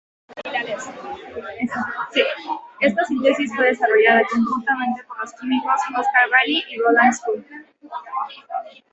Esta síntesis fue desarrollada conjuntamente por los químicos Oscar Bally y Roland Scholl.